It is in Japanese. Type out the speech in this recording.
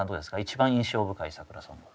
一番印象深い桜ソング。